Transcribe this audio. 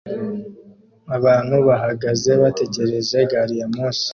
Abantu bahagaze bategereje gari ya moshi